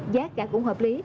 giá cả cũng hợp lý